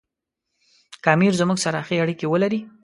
که امیر زموږ سره ښې اړیکې ولري.